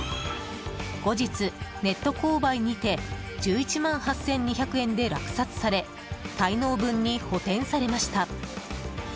後日、ネット公売にて１１万８２００円で落札され滞納分に補填されました。